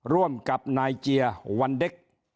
ร่วมกับนายเจียวันเด็ก